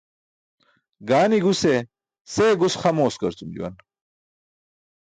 Gaani guse see gus xa mooskarcum juwan.